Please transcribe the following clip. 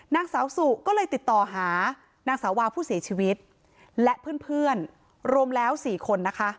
นางสาวสุก็เลยติดต่อหานางสาวาผู้เสียชีวิตและเพื่อนรวมแล้ว๔คนนะคะ